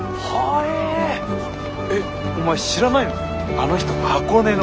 あの人箱根の。